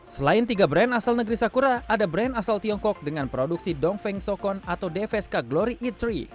selain tiga brand asal negeri sakura ada brand asal tiongkok dengan produksi dong feng sokon atau dvsk glory eat tiga